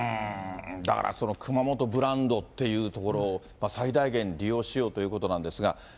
だからその、熊本ブランドというところを最大限に利用しようということなんですが。